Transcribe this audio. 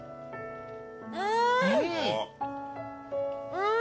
うん！